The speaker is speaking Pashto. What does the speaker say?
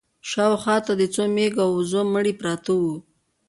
شا و خوا ته د څو مېږو او وزو مړي پراته وو.